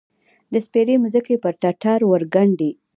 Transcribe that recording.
د سپیرې مځکې، پر ټټر ورګنډې